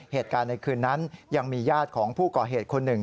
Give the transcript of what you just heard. เหตุการณ์ในคืนนั้นยังมีญาติของผู้ก่อเหตุคนหนึ่ง